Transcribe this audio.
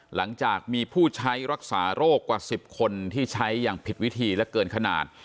หลังจากมีผู้ใช้รักษาโรคกว่า๑๐คนที่ใช้อย่างผิดวิธีและเกินขนาด